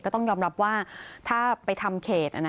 ต้องยอมรับว่าถ้าไปทำเขต